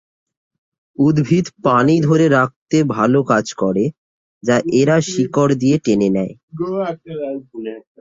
উদ্ভিদ পানি ধরে রাখতে ভাল কাজ করে, যা এরা শিকড় দিয়ে টেনে নেয়।